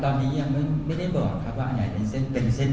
ตอนนี้ยังไม่ได้บอกครับว่าเป็นเส้นตาย